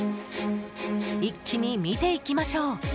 一気に見ていきましょう。